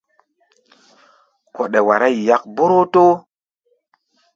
Kɔɗɛ wará yi yák borotoo.